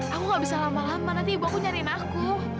aku gak bisa lama lama nanti ibu aku nyariin aku